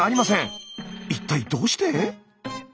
一体どうして？